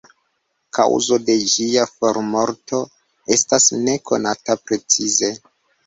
Kaŭzo de ĝia formorto estas ne konata precize.